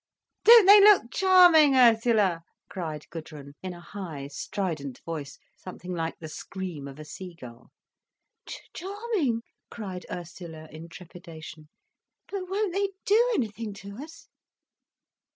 "Don't they look charming, Ursula?" cried Gudrun, in a high, strident voice, something like the scream of a seagull. "Charming," cried Ursula in trepidation. "But won't they do anything to us?"